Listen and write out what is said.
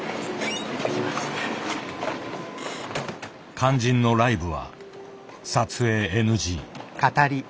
肝心のライブは撮影ＮＧ。